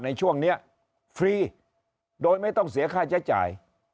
ในช่วงนี้ฟรีโดยไม่ต้องเสียค่าใช้จ่าย